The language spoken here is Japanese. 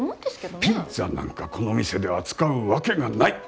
ピッツァなんかこの店で扱うわけがない。